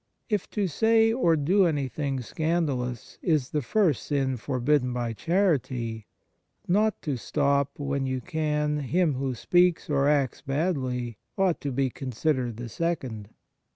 If to say or do anything scandalous is the first sin forbidden by charity, not to stop, when you can, him who speaks or acts badly ought to be considered the second.